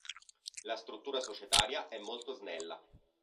La struttura societaria è molto snella.